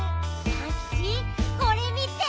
パンキチこれ見て！